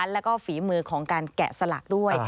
แล้วก็ฝีมือของการแกะสลักด้วย